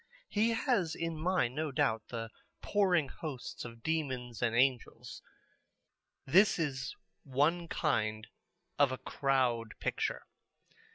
He has in mind, no doubt, the pouring hosts of demons and angels. This is one kind of a Crowd Picture.